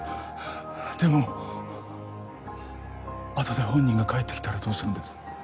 でもあとで本人が帰って来たらどうするんです？